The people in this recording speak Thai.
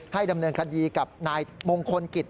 ดำเนินคดีกับนายมงคลกิจ